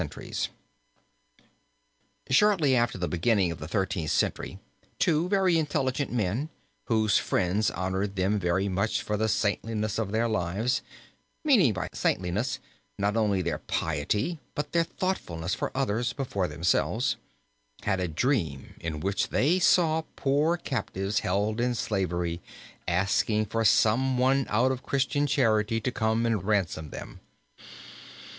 {opp347} CHARITY (GIOTTO) FORTITUDE (GIOTTO) HOPE (GIOTTO) Shortly after the beginning of the Thirteenth Century two very intelligent men, whose friends honored them very much for the saintliness of their lives meaning by saintliness not only their piety but their thoughtfulness for others before themselves had a dream in which they saw poor captives held in slavery and asking for some one out of Christian charity to come and ransom them.